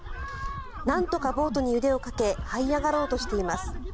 なんとかボートに腕をかけはい上がろうとしています。